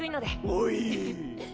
おい！